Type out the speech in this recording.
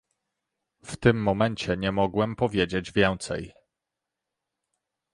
W tym momencie nie mogłem powiedzieć więcej